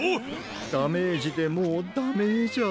ダメージでもうダメージャ。